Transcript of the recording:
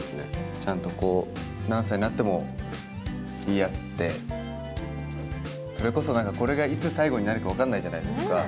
ちゃんとこう、何歳になっても言い合って、それこそなんか、これがいつ最後になるか分かんないじゃないですか。